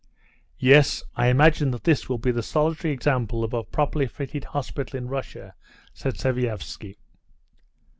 "Yes, I imagine that this will be the solitary example of a properly fitted hospital in Russia," said Sviazhsky.